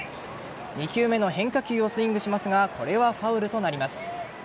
２球目の変化球をスイングしますがこれはファウルとなります。